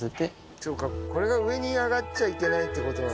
そうかこれが上に上がっちゃいけないってこと。